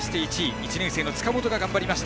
１年生の塚本が頑張りました。